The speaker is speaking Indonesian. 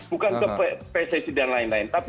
bukan ke pssi dan lain lain